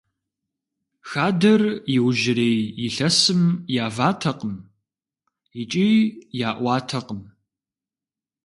Хадэр иужьрей илъэсым яватэкъым икӀи яӀуатэкъым.